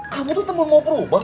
kamu tuh temen mau berubah